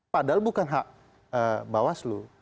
padahal bukan hak bawaslu